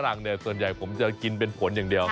หลังเนี่ยส่วนใหญ่ผมจะกินเป็นผลอย่างเดียว